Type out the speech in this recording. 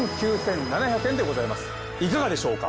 いかがでしょうか？